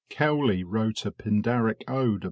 Cowley wrote a Pindaric ode upon it.